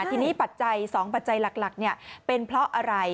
ทีนี้ปัจจัย๒ปัจจัยหลักเป็นเพราะอะไร